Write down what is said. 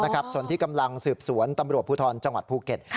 ส่วนที่กำลังสืบสวนตำรวจภูทรจังหวัดภูเก็ต